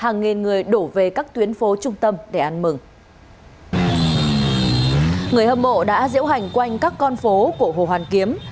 người hâm mộ đã diễu hành quanh các con phố của hồ hoàn kiếm